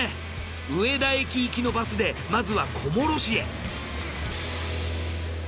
上田駅行きのバスでまずは小諸市へ。